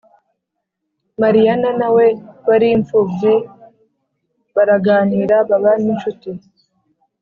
Mariyana na we wari imfubyi, baraganira baba n’inshuti.